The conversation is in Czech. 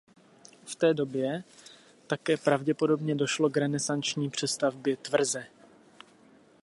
V té době také pravděpodobně došlo k renesanční přestavbě tvrze.